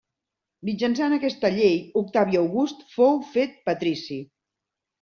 Mitjançant aquesta llei Octavi August fou fet patrici.